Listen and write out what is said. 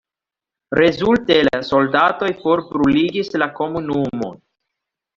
Rezulte la soldatoj forbruligis la komunumon.